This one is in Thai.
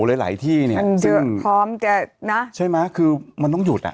หลายหลายที่เนี่ยพร้อมจะนะใช่ไหมคือมันต้องหยุดอ่ะ